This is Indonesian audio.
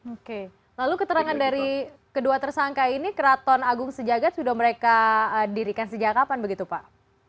oke lalu keterangan dari kedua tersangka ini keraton agung sejagat sudah mereka dirikan sejak kapan begitu pak